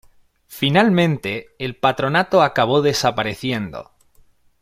Finalmente el patronato acabó desapareciendo.